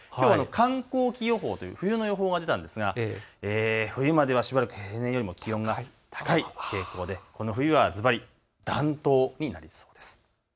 寒候期予報という冬の予報が出たんですが冬は平年よりも気温が高い傾向でこの冬はずばり暖冬になりそうです。